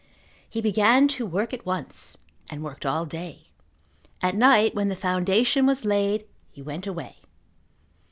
He began to work at once and worked all day. At night when the foundation was laid, he went away.